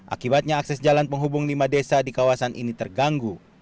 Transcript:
akibatnya akses jalan penghubung lima desa di kawasan ini terganggu